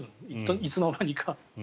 いつの間にか。